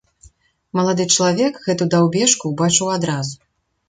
Малады чалавек гэту даўбешку ўбачыў адразу.